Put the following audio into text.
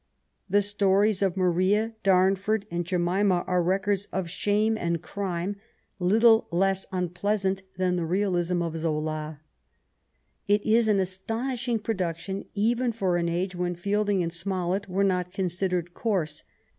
The stories of Maria^ Darnford^ and Jemima are records of shame and crime, little less unpleasant than the realism of a Zola. It is an astonishing production^ even for an age when Fielding and Smollett were not considered coarse.